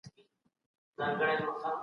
دوی خپل استدلال داسي توجيه کوي.